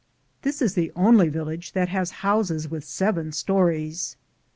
1 This is the only village that has houses with seven stories.